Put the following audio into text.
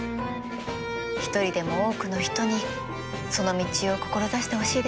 一人でも多くの人にその道を志してほしいですね。